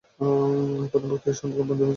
প্রথম বক্তৃতা সম্পর্কে বন্দোবস্ত ঠিক হয়নি।